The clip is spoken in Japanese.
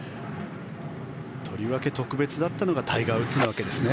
とりわけ特別だったのがタイガー・ウッズだったわけですね。